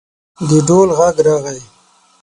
د ډول غږ راغی.